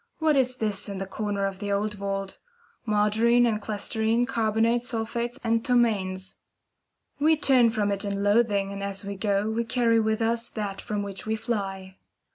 What is this in the corner of the old vault? Margarine and chlesterine, carbonates, sulphates, and ptomaines! We turn from it in loathing, and as we go we carry with us that from which we fly.